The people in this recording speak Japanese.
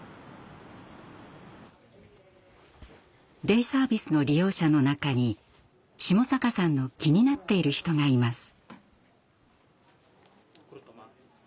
デイサービスの利用者の中に下坂さんの気になっている人がいます。